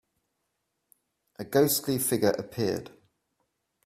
A ghostly figure appeared.